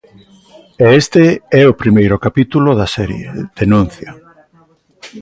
E este é o primeiro capítulo da serie, denuncian.